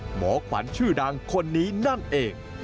หมอขวัญชื่อดังคนนี้นั่นเอง